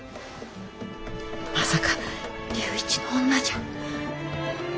まさか龍一の女じゃ。